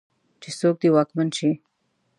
چې څوک دې واکمن شي.